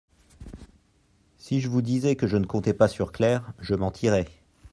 Si je vous disais que je ne comptais pas sur Claire, je mentirais.